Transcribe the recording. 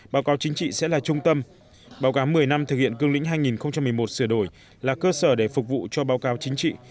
báo cáo chính trị sẽ là trung tâm báo cáo một mươi năm thực hiện cương lĩnh hai nghìn một mươi một sửa đổi là cơ sở để phục vụ cho báo cáo chính trị